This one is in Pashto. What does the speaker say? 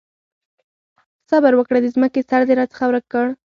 صبره وکړه! د ځمکې سر دې راڅخه ورک کړ.